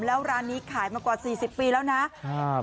แล้วร้านนี้ขายมากว่าสี่สิบปีแล้วนะครับ